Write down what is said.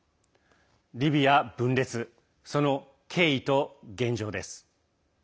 リビア分裂その経緯と現状です。